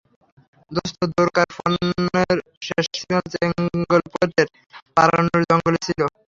দোস্ত, দ্বোরকার ফোনের শেষ সিগন্যাল চেঙ্গলপেটের পারানুর জঙ্গলে ছিল।